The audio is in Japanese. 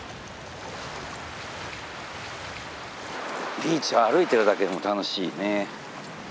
ビーチを歩いてるだけでも楽しいね。